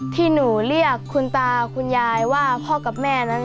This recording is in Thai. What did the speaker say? ที่หนูเรียกคุณตาคุณยายว่าพ่อกับแม่นั้น